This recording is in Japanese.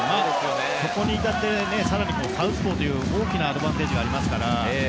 ここに至って、さらにサウスポーという大きなアドバンテージがあります。